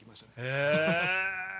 へえ！